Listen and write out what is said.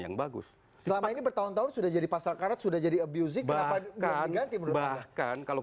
yang bagus selama ini bertahun tahun sudah jadi pasal karat sudah jadi abusing bahkan bahkan kalau